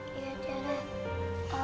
sebentar lagi papa aku datang kok